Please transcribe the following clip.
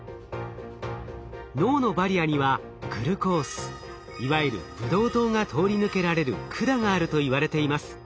脳のバリアにはグルコースいわゆるブドウ糖が通り抜けられる管があるといわれています。